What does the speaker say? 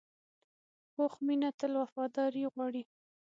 پوخ مینه تل وفاداري غواړي